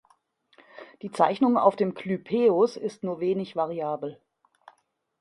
Die Zeichnung auf dem Clypeus ist nur wenig variabel.